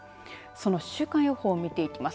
その週間予報を見ていきます。